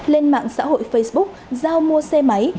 lên mạng xã hội facebook giao mua xe máy